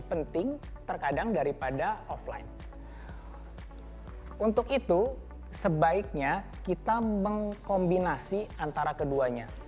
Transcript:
penting terkadang daripada offline untuk itu sebaiknya kita mengkombinasi antara keduanya